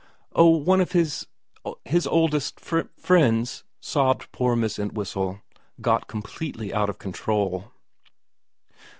' Oh, one of his his oldest f fr friends,' sobbed poor Miss Entwhistle, got completely out of control.